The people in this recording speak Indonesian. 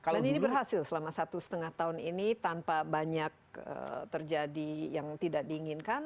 dan ini berhasil selama satu setengah tahun ini tanpa banyak terjadi yang tidak diinginkan